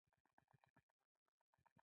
سړک د خدمت سمبول دی.